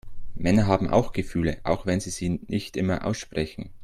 Männer haben auch Gefühle, auch wenn sie sie nicht immer aussprechen.